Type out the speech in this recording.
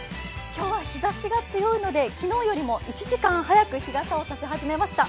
今日は日ざしが強いので昨日よりも１時間早く日傘を差し始めました。